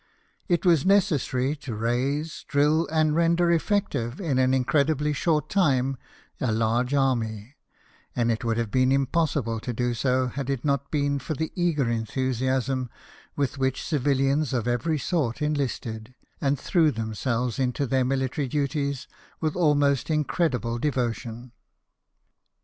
It was necessary to raise, drill, and render effective in an ncredibly short time a large army ; and it would have been impossible to do so had it not been for the eager enthusiasm with which civilians of every sort enlisted, and threw them selves into their military duties with almost incredible devotion.